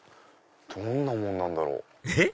どんなものなんだろう？えっ？